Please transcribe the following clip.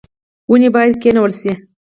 ونې باید کینول شي